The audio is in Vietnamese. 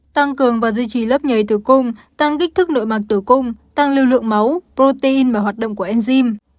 tăng cường và duy trì lớp nhảy tử cung tăng kích thức nội mạc tử cung tăng lưu lượng máu protein và hoạt động của enzym